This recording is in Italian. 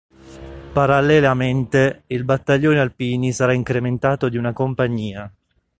Parallelamente, il battaglione alpini sarà incrementato di una compagnia.